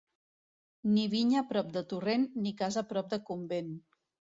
Ni vinya prop de torrent ni casa prop de convent.